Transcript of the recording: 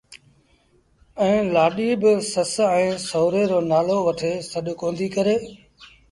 ائيٚݩ لآڏيٚ بآ سس ائيٚݩ سُوري رو نآلو وٺي سڏ ڪونديٚ ڪري